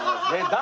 誰？